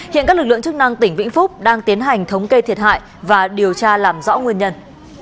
hiện các lực lượng chức năng tỉnh vĩnh phúc đang tiến hành thống kê thiệt hại và điều tra làm rõ nguyên nhân